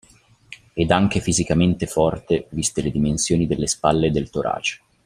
Ed anche fisicamente forte, viste le dimensioni delle spalle e del torace.